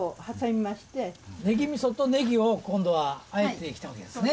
ねぎ味噌とネギを今度はあえてきたわけですね。